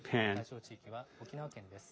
対象地域は沖縄県です。